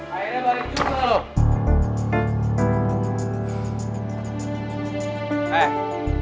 akhirnya balik juga lo